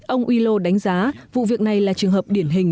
ông wilo đánh giá vụ việc này là trường hợp điển hình